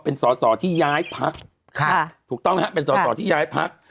เป็นสอสอที่ย้ายพักถูกต้องนะฮะเป็นสอสอที่ย้ายพัก